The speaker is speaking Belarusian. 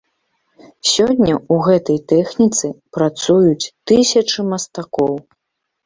Сёння ў гэтай тэхніцы працуюць тысячы мастакоў.